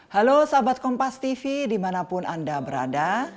halo sahabat kompas tv dimanapun anda berada